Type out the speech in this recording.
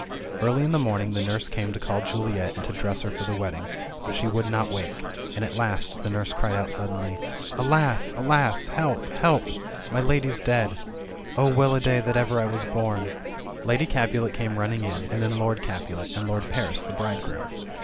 Early in the morning the nurse came to call Juliet, and to dress her ROMEO AND JULIET.. 1) tor the wedding ; but she would not wake, and at last the nurse cried out suddenly — "Alas ! alas ! help ! help ! my lady's dead. Oh, well a day that ever I was born !" Lady Capulet came running in, and then Lord Capulet, and Lord Paris, the bridegroom.